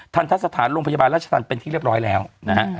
ทันทะสถานโรงพยาบาลราชธรรมเป็นที่เรียบร้อยแล้วนะฮะ